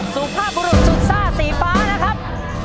สุภาพบุรุษสุดซ่าสีฟ้านะครับ